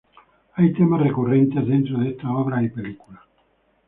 Hay temas recurrentes dentro de estas obras y películas.